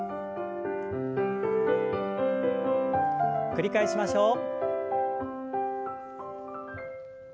繰り返しましょう。